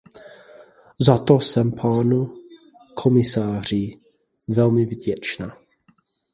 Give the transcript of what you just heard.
Za to jsem panu komisaři velmi vděčná.